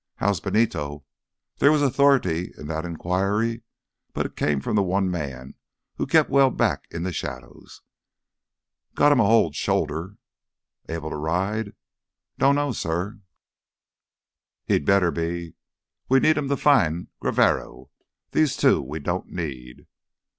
"How's Benito?" There was authority in that inquiry, but it came from the one man who kept well back in the shadows. "Got him a holed shoulder." "Able to ride?" "Dunno, suh." "He'd better be. We need him to find Graverro. These two we don't need."